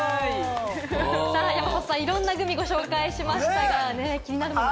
山里さん、いろんなグミをご紹介しましたが、気になるものは？